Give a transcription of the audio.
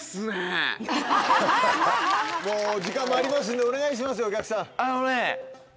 もう時間もありますんでお願いしますよお客さん。